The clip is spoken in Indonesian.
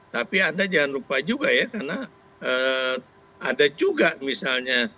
tapi anda jangan lupa juga ya karena ada juga misalnya